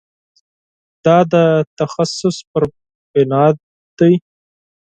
دا د تخصص پر بنا ده.